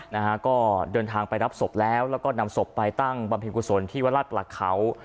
นะฮะก็เดินทางไปรับศพแล้วแล้วก็นำศพไปตั้งบำเพ็ญกุศลที่วัดราชประเขา